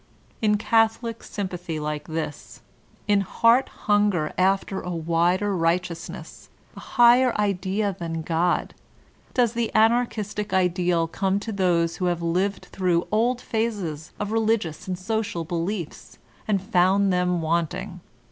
In catholic sympathy like this, in heart hunger after a wider righteousness, a higher idea than God, does the Anarchistic ideal come to those who have lived through old phases of religious and social beliefs and '*found them wanting."